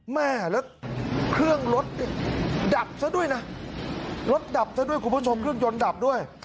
แม่แล้วเครื่องรถดับซะด้วยนะรถดับซะด้วยคุณผู้ชมเครื่องยนต์ดับด้วย